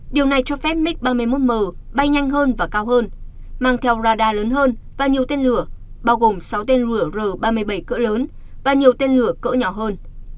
điều này cho phép mick ba mươi một m bay nhanh hơn và cao hơn mang theo radar lớn hơn và nhiều tên lửa bao gồm sáu tên lửa r ba mươi bảy cỡ lớn và nhiều tên lửa cỡ nhỏ hơn